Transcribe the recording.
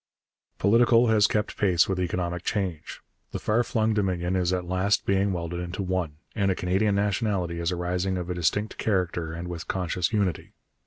Political has kept pace with economic change. The far flung Dominion is at last being welded into one, and a Canadian nationality is arising of a distinct character and with conscious unity.